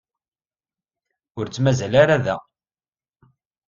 Ur tt-mazal ara da.